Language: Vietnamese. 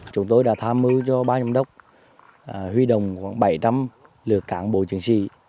chúng tôi đã tham mưu cho ban giám đốc huy động khoảng bảy trăm linh lượt cán bộ chiến sĩ